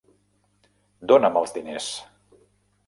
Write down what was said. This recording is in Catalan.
Dona'm els diners!